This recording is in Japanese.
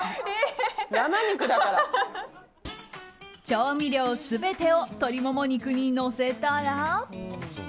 調味料全てを鶏モモ肉にのせたら。